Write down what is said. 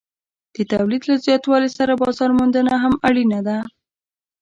د تولید له زیاتوالي سره بازار موندنه هم اړینه ده.